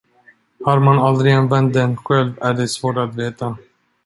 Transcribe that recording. Har man aldrig använt den själv är det svårt att veta